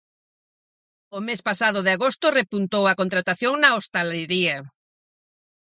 O mes pasado de agosto repuntou a contratación na hostalería.